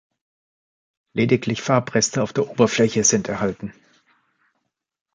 Lediglich Farbreste auf der Oberfläche sind erhalten.